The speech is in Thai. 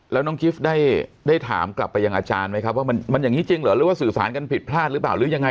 แล้วน้องกิฟต์ได้ถามกลับไปยังอาจารย์ไหมครับว่ามันอย่างนี้จริงเหรอหรือว่าสื่อสารกันผิดพลาดหรือเปล่าหรือยังไง